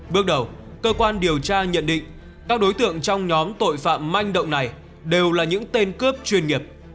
bước đầu cơ quan điều tra nhận định các đối tượng trong nhóm tội phạm manh động này đều là những tên cướp chuyên nghiệp